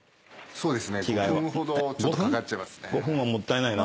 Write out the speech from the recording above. そうです。